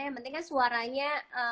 yang penting suaranya